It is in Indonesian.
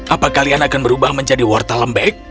apa kalian akan berubah menjadi wortel lembek